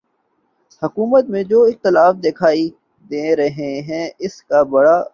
حکومت میں جو اختلاف دکھائی دے رہا ہے اس کا بڑا